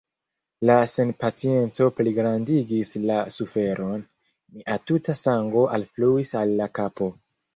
La senpacienco pligrandigis la suferon; mia tuta sango alfluis al la kapo.